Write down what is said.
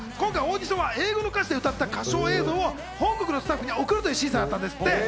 今回はそのオーディション、英語の歌詞で歌った歌唱映像を本国のスタッフに送るという審査だったそうなんです。